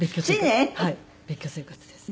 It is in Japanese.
別居生活です。